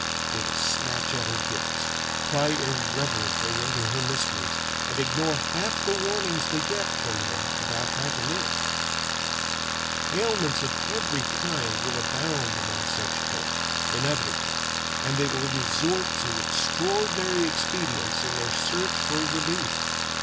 They will snatch at her gifts, pry irreverently into her mysteries, and ignore half the warnings they get from her about how to live. Ailments of every kind will abound among such folk, inevitably, and they will resort to extraordinary expedients in their search for relief.